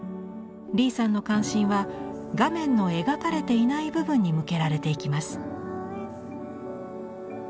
李さんの関心は画面の描かれていない部分に向けられていきます。